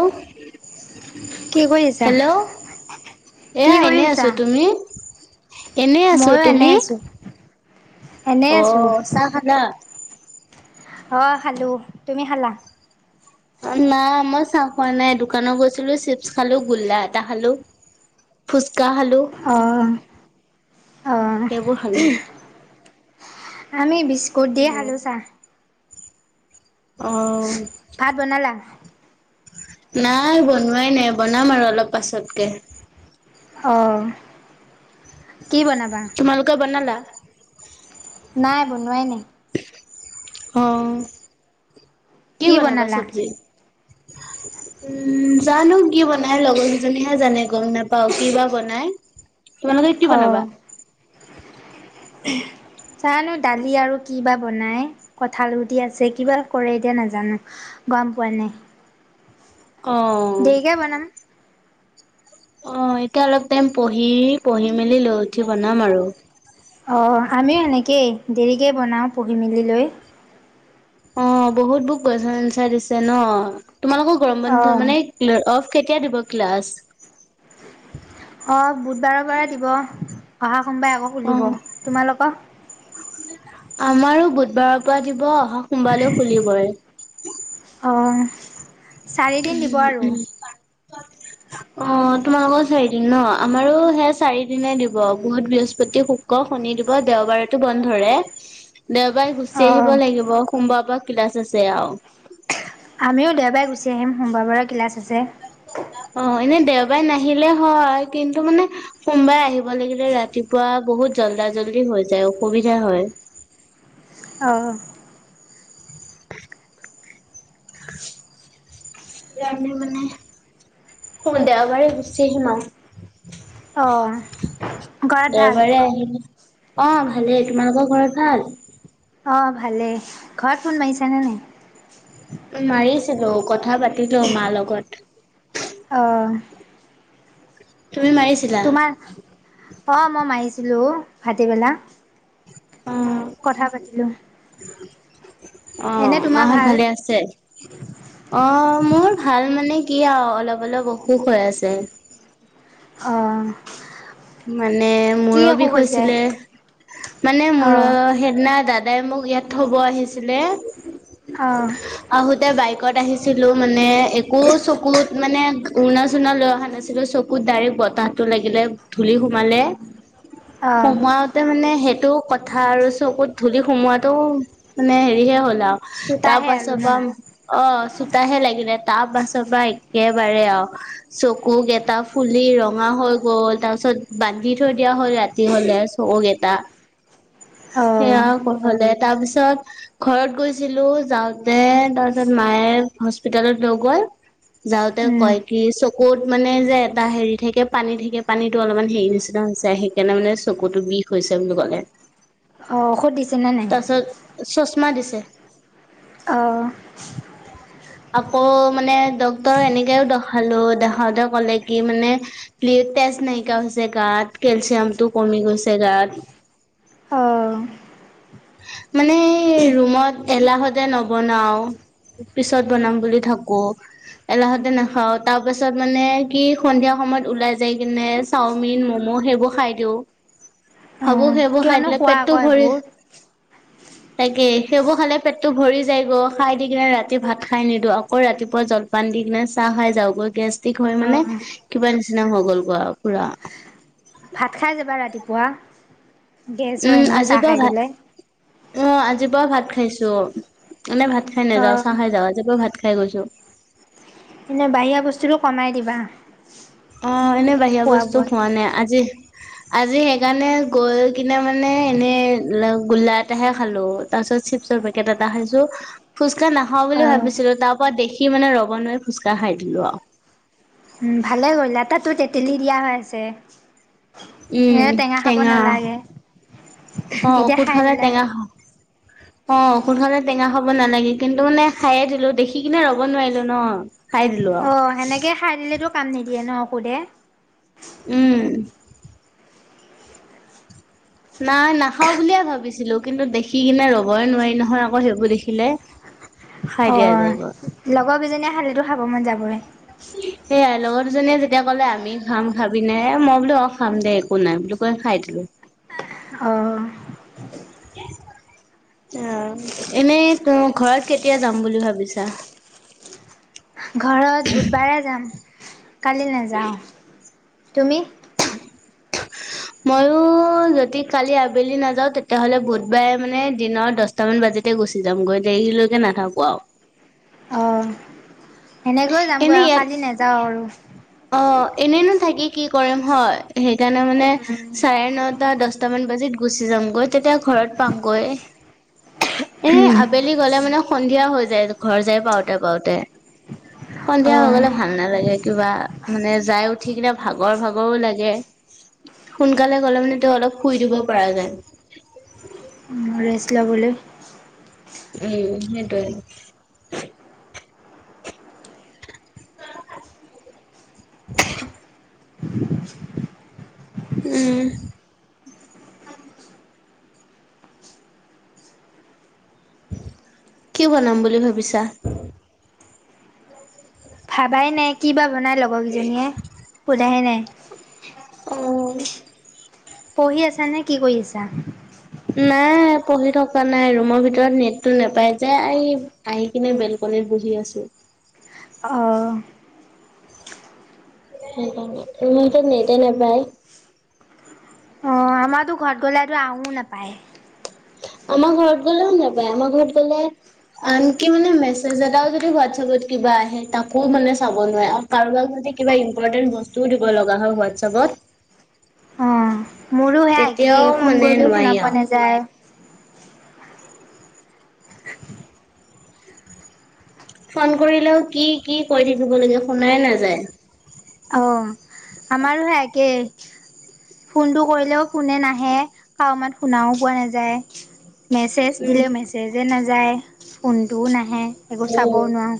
Hello, কি কৰি আছা? হেল্ল'। কি এয়া কৰি এনেই আছা? আছো তুমি? এনে আছো ময়ো তুমি, এনেই আছোঁ। এনেই আছোঁ। অ' চাহ খালা। অ' খালো, তুমি খালা। না মই চাহ খোৱা নাই, দোকানত গৈছিলো, চিপছ খালো, গোল্লা এটা খালো। ফুচ অ', -অ', - অ'। সেইবোৰ খালো। আমি বিস্কুট দিয়ে খালো চাহ। অ' ভাত বনালা? নাই বনোৱাই নাই, বনাম আৰু অলপ পাছতকে। অহ। তোমালোকে বনালা। নাই বনোৱাই নাই। অ' কি বনাবা চব্জি? উম, জানো কি বনাই লগৰ কেইজনীহে জানে, গম নাপাও কি বা বনাই। তোমালোকে কি বনাবা? অ'। [unintelligible] জানো দালি আৰু কি বা বনাই, কঠালগুটি আছে কিবা কৰে এতিয়া নাজানো। গম পোৱা নাই। অহ'। দেৰিকে বনাম। অ' এতিয়া অলপ টাইম পঢ়ি, পঢ়ি মেলি লৈ উঠি বনাম আৰু। অ' আমিও এনেকেই দেৰিকে বনাও পঢ়ি-মেলি লৈ। অ' বহুত বোৰ কুৱেশ্যন এনচাৰ দিছে ন, তোমালোকৰ গৰম বন্ধ অ'। মানে ক অফ কেতিয়া দিব ক্লাছ। অ' বুধবাৰৰ পৰা দিব অহা সোমবাৰে আকৌ অ খুলিব তোমালোকৰ? আমাৰো বুধবাৰৰ পৰা দিব অহা সোমবাৰলেও খুলিবই। অঁ চাৰিদিন দিব আৰু [unintelligible] অ' তোমালোকৰ চাৰিদিন ন' আমাৰো সেই চাৰি দিনে দিব। বুধ, বৃহস্পতি, শুক্ৰ, শ নি দিব দেওবাৰেতো বন্ধ ধৰে। দেওবাৰে গুচি অঁ আহিব লাগিব। সোমবাৰৰ পৰা ক্লাচ আছে আৰু। আমিও দেওবাৰে গুচি আহিম। সোমবাৰৰ পৰা ক্লাছ আছে। অ' এনে দেওবাৰে নাহিলে হয়, কিন্তু মানে সোমবাৰে আহিব লাগিলে ৰাতিপুৱা বহুত জল্দা জল্দি হৈ যায় অসুবিধা হয়। অহ'। [unintelligible] এতিয়া আমি মানে, দেওবাৰে গুচি আহিম আৰু। অঁ ঘৰত ভাল দেওবাৰে আহিবি। অ' ভালেই তোমালোকৰ ঘৰত ভাল। অ' ভালেই ঘৰত ফোন মাৰিছানে নাই? মাৰিছিলো, কথা পাতিলো মাৰ লগত। অঁ তুমি মাৰিছিলা? অ' মই মাৰিছিলোঁ ভাটিবেলা। অ কথা পাতিলো। অহ মা-হত ভালে আছে, অহহ। মোৰ ভাল মানে কি আৰু অলপ অলপ অসুখ হৈ আছে। আহ। মানে মূৰৰ বিষ হৈছিলে মানে অঁ মূৰৰ সেইদিনা দাদ দাদাই মোক ইয়াত থব আহিছিলে অঁ আহোতে বাইক আহি আছিলো মানে একো চকুত মানে উৰ্ণা চুণা লৈ অহা নাছিলো চকুত ডাইৰেক্ট বতাহ ল ধ সে মানে অঁ সেই কথা আৰু চকুত ধূলি সোমোৱাতটো মানে হেৰিহে হ'ল আৰু তাৰ চোতাহে আৰু ন পাছত আ অ তাহে লাগিলে তাৰ বাছৰ পৰাা একেবাৰে আৰু চকুক এটা ফুলি ৰঙা হৈ গ'ল তাৰপিছত বান্ধি থৈ দিয়া হ'ল ৰাতি হলে চৌক এটা অ সেয়ালে তাৰপিছত ঘৰত গৈছিলো যাওঁতে তাৰপিছত মায়ে হস্পিিতেলত লগৰ যাওঁতে কয় অঁ কি চকুত মানে যে এটা হেৰি থাকে পানী থাকে পানীত টো অলপমান হেৰি নিচিনা হৈছে সেইকাৰণে মানে চকুতটো বিষ হৈছে বুলি কলে অঁ ঔষুধ দিছেনে নাই তাৰপিছত চশমা দিছে আহঁ আকৌ মানে ডক্তৰ এনেকেও দেখালো দেখাওতে ক'লে কি মানে প্লিজ তেজ নাইিয়া হৈছে গাত কেলচিয়ামতটো কমি গৈছে গাত অ', মানে ৰুমত এলাহতে নবনাও পিছত বনাম বুলি থাকো এলাহতে নাখাও তাৰ পাছত মানে কি সন্ধিয়া সম সময়ত ওলাই যাই কিনে চাওমিন মম' সেইবোৰ খাই দিওঁ ভাব অ', সেইবোৰ খাই কিয়নো দিলে খোৱা পেটটো আকৌ ভৰি এইবোৰ। তাকে সেইবোৰ খালে পেটতটো ভৰি যায় গ খাই দি কিনে ৰাতি ভাত খাই নিদিো আকৌ ৰাতিপুৱা জলপান দি িক নে চাহ খাই যাওগৈ গেষ্টিক হৈ মানে অ', কিবা নিচিনা হৈ গ'লগৈ আৰু পুৰা ভাত খাই যাবা ৰাতিপুৱা গেছ হয় উম এনেও চাহ আজিিবা খাই ভ পেলাই। অ আজি কোপা ভাত খাইছো এনেই ভাত খাই নাযাও অ', চাহ খাই যাওঁ আজোপা ভাত খাই গৈছো এনেই বাহিৰা বস্তুটো কমাই দিবা অ এনে বাহিা বস্তু খোৱা নাই আজি আজি সেইকাৰণে গৈ কিনে মানে এনেই গোল্লা এটাহে খালো তাৰ পে এটা খছো খ খোজকাঢ় নাখাওঁ বুলি অ', ভাবিছিলো তাৰ পৰা দেখি মানে ৰবনে খোজকাঢ় খাৰি দিলো আৰু উ ভালে গ'ল এ তটা তোৰ তেতেলী দিয়া হৈ আছে এনেও টেঙা খাব নালাগে অ এতিয়া ঔষুধ খাই হলে দিলা। টেঙা হ অ ঔুধ হলে টেঙা হব নালাগে কিন্তু মানে খায়ে দিলো দেখি কিনে ৰ'ব নোৱাৰিলো ন, খাই দিলো অ আৰু সেনেকে খাই দিলেতো কাম নিদিয়ে ন সুধে, উম! নাই নাখাও বুলিয়ে ভাবিছিলো কিন্তু দেখি কিনে ৰ'বই নোৱাৰি নহয় আকৌ সেইবোৰ দেখিলে। [inaudible] অ দিয়া যায়গৈ লগৰ দুজনীয়ে খালো খাব মন যাবৰে, সেই হল জীয়ে যেতিয়া ক'লে আমি খাম খাবিে মই বোলো অ খাম দে একো নাই বুলি কৈ খাই দিলো। [inaudible] অ'। [inaudible] অ এনেই ত ঘৰত কেতিয়া যাম বুলি ভাবিছা। তত বুধবাৰে যাম। কালি নাযাওঁ তুমি। মোৰ অ যদি কালি আবেলি নাযাও তেতিয়াহ'লে বুধবাৰে মানে দিনৰ দশট মান বাজিতে গুচি যামগৈ দে দেৰিলৈকে নাথাকো আৰু অ'। সেনেকৈ এনে যামগৈ আৰু ইয়াত কালি নাযাওঁ আৰু অ এনেই ন থাকি কি কৰিম হয় সেইকাৰণে মানে চাৰে নটা দচটা মান বাজিত গুচি যাম গৈ তে এতিয়া ঘৰত পামগৈ এনে আবেলি গ'লে মানে সন্ধিয়া হৈ যায় ঘৰ যায় পাওঁতে পাওঁতে, অ সন্ধিয়া হৈ গলে ভাল নালাগে কিবা। মানে যাই উঠি কিনে ভাগৰ ভাগৰো লাগে। সোনকালে গ'লে মানে তেওঁ অলপ শুই ধব পৰা যায়। অ ছলা বুলি উ সেইটোয়ে [inaudible] উম! কি বনাম বুলি ভাবিছা। ভাবাই নাই কি বা বনাই লগৰ কেইজনীয়ে সোধাহে নাই, অ' পঢ়ি আছা নে কি কৰি আছা। ন' পঢ়ি থকা নাই ৰুমৰ ভিতৰত নেটটো নোপাই যে আহ আহি কিনে বেলকনিত বহি আছো। অ' সেই মইটো নতি নাপায়। অ আমাৰতো ঘৰত গ'লেতো আহোও নাপায়, আমাৰ ঘৰত গ'লে শু নাপায় আমাৰ ঘৰত গ'লে, আনকি মানে মেছেজ এটাও যদি হোৱাটছএপত কিবা আহে তাকো মানে চাব নোৱাৰে আৰু কাৰোবাক কিবা ইম্পৰ্টেন্ট বস্তুও দিব লগা হয় হোৱাটছপত, অ মোৰো হে একেই ফোন কৰিলেও নোৱাৰি শুনা পোৱা আৰু নাযায়। ফোন কৰিলেও কি কি কৈ থাকিব লাগে শুনাই নাযায়। অ আমাৰো সে একেই ফোনটো কৰিলেও ফোনে নাহে কাৰমাত, শুনাও পোৱা নাযায় মেছেজ দিলে মেছেজে নাযায় ফোনটোও নাহে, একো চাবও উম নোৱাৰোঁ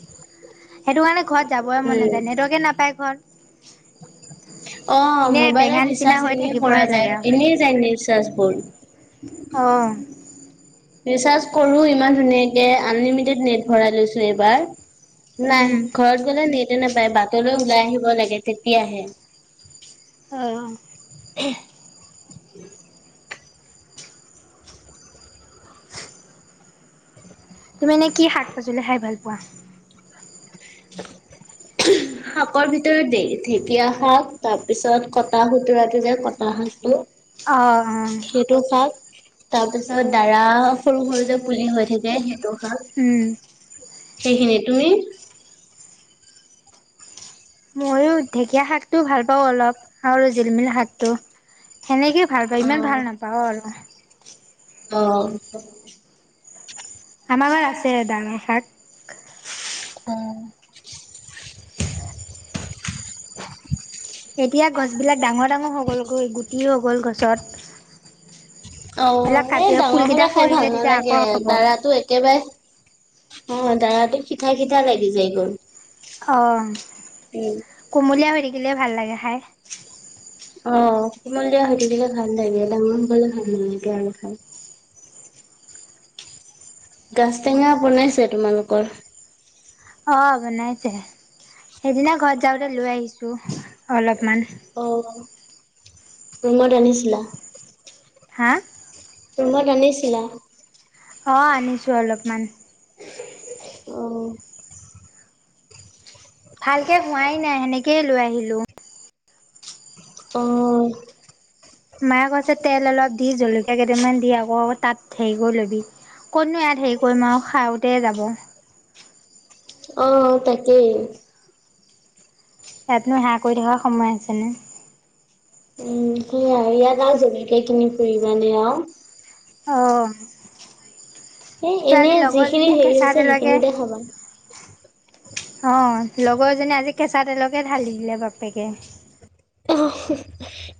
সেইটো কাৰণে ঘৰত যাবই মন নাযায় নেটৱৰ্কে নাপায় ঘৰত। [inaudible] অ এনে বেঙা মোবাইলত নিচিনা ৰিচাৰ্জ হৈ এনে থাকিবহে কৰা লাগে আৰু যায় এনেই যায় ন ৰিচাৰজবোৰ, আহ! ৰিচাৰ্জ কৰো ইমান ধুনীয়াক আনলিমিটেড নেট ভৰাই লৈছো এইবাৰ, নাই ঘৰত গলে নটো নাপায় বাটলৈ ওলাই আহিব লাগে তেতিয়াহে, অহ, উ [inaudible] তুমি এনে কি শাক পাচলি খাই ভাল পোৱা। শাকৰ ভি ঢেঁকীয়া শাক তাৰ পিছত কটা সুতুৰাটো যে কটা শাকটো। অ', অ', সেইটো খাই তাৰ পিছত দাৰা সৰু-সৰু যে পুলি হৈ থাকে সেইটো। শাক উম, সেইখিনি তুমি ময়ো ঢেকীয়া শাকটোও ভাল পাওঁ অলপ আৰু জিলমিল শাকটো। সেনেকে ভাল পাওঁ ইমান ভাল অ', নাপাওঁ আৰু। অ, আমাৰ ঘাৰ আছে ডাঙৰ শাক। অ', এতিয়া গছবিলাক ডাঙৰ-ডাঙৰ হৈ গ'ল গৈ গুটি হৈ গ'ল গছত, অ' এইবিলাক এ কাটি ডাঙৰ ফুলকেইটা হলে খাই ভাল সৰিলে তেতিয়া আকৌ নালাগে হ'ব দাৰাতো একেবাৰে। অ' দাৰাটো সিঠা-সিঠা লাগি যায় গৈ। অ' কুমলীয়া হৈ থাকিলে ভাল লাগে খাই। অ' কোমলীয়া হৈ থাকিলে ভাল লাগে ডাঙৰ হলে ভাল নালাগে আৰু খাই। গাজ টেঙা বনাইছে তোমালোকৰ। অ' বনাইছে। সেইদিনা ঘৰত যাওঁতে লৈ আহিছোঁ অলপমান। ৰোমত আনিছিলা। হা, ৰোমত আনিছিলা। অ' আনিছো অলপমান। অ', ভালকে হোৱাই নাই সেনেকেই লৈ আহিলো। অহ, মায়ে কৈছে তেল অলপ দি জলকীয়া কেইটামান দি আকৌ তাত হেৰি কৰি লবি। কতনো ইয়াত হেৰি কৰিম আৰু খাওঁতেই যাব। অ' তাকেই। ইয়াতনো সেৱা কৰি থকাৰ সময় আছেনে। উম, আৰু ইয়াত আৰু জলকে কিনি ফুৰিবানে আৰু অহ, এ এনেই যিখিনি হেৰি হৈছে কেঁচা তেলকে সেইখিনিতে খাবা। অ' লগৰজনী আজি কেঁচা তেলকে ঢালি দিলে বাপেকে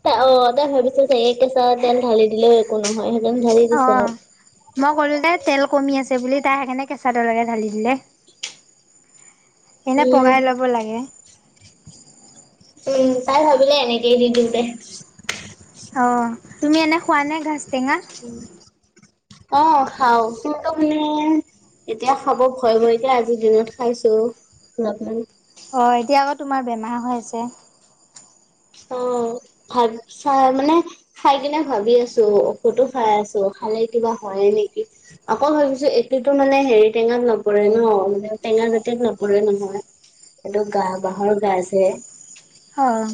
ত অ' তাই ভাবিচে চাগে কেঁচা তেল ঢালি দিলেও একো নহয়। সেইকাৰণে ঢালি দিছে অ' আৰু। মই কলো দে তেল কমি আছে। চে বুলি তাই সেইকাৰণনে কেঁচা তলকে ঢালি দিলে। এনে উম, পগাই ল'ব লাগে। উম, তাই ভাবিলে এনেকেই দি দিওঁ তে অ' তুমি এনে খোৱা নে ঘাজ টেঙা। অ' খাও ত ম এতিয়া খাব ভয়-ভয়কে আজিৰ দিনত খাইছো অলপমান। অ' এতিয়া আকৌ তোমাৰ বেমাৰ হৈ আছে। অ' ভাব চাই মানে খাই কিনে ভাবি আছো ঔষতো খাই আছো। ভালে কিবা হয়ে নেকি আকৌ ভাবিছো এইটোতো মানে হেৰি টেঙাত নপৰে ন মানে টেঙা। যাতে নপৰে নহয় সহটো গা বাহৰ গাছ হে। অ',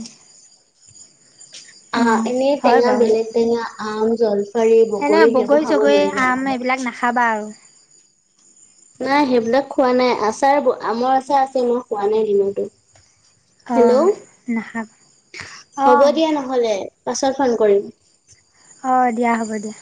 অ, উম এনে হয় টেঙা বাৰু। বেলেগ টেঙা আম, জল পাৰী এনে বগৰী সেইবোৰ খাবই চগৰী মি আম এইবিলাক নাখাবা জানহ। আৰু। নাই সেইবিলাক খোৱা নাই আচাৰ আমৰ আচাৰ আছে মই খোৱা নাই দিনতো। অ হেল্ল', নাখাব। অ। হ'ব দিয়া নহ'লে পাছত ফোন কৰিম। অ, দিয়া হ'ব দিয়া।